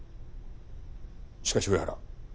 しかし上原